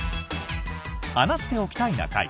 「話しておきたいな会」。